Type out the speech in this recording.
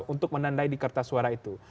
untuk menandai di kertas suara itu